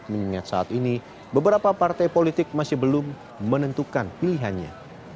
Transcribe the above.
mengingat saat ini beberapa partai politik masih belum menentukan pilihannya